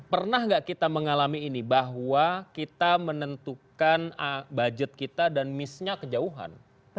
pernah nggak kita mengalami ini bahwa kita menentukan budget kita dan missnya kejauhan